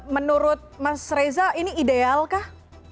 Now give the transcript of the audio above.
menurut mas reza ini ideal kah